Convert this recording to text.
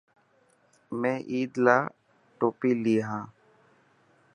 مين عيد لاءِ ٽوپي لي هان.